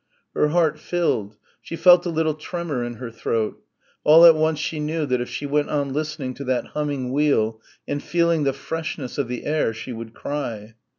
Her heart filled. She felt a little tremor in her throat. All at once she knew that if she went on listening to that humming wheel and feeling the freshness of the air, she would cry.